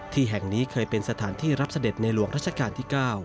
ที่แห่งนี้เคยเป็นสถานที่รับเสด็จในหลวงรัชกาลที่๙